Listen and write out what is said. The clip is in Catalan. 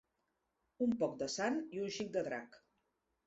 Un poc de Sant i un xic de drac.